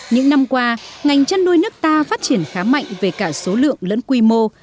những năm qua ngành chăn nuôi nước ta phát triển khá mạnh về cả số lượng lẫn quy mô